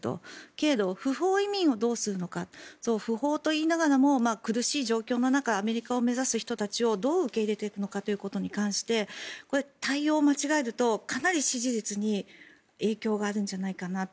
けれど不法移民をどうするのか不法といいながらも苦しい状況の中アメリカを目指す人たちをどう受け入れていくのかということに関して対応を間違えるとかなり支持率に影響があるんじゃないかなと。